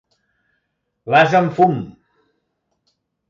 L'ase em fum!